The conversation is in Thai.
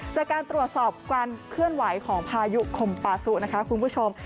จากการตรวจสอบความเคลื่อนไหวของพายุคมปาซุนะคะคุณผู้ชม